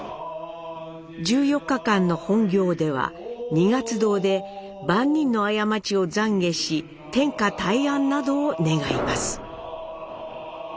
１４日間の本行では二月堂で万人の過ちを懺悔し天下泰安などを願います。